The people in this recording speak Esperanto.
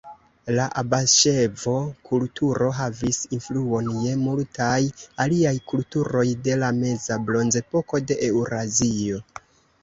La abaŝevo-kulturo havis influon je multaj aliaj kulturoj de la Meza Bronzepoko de Eŭrazio.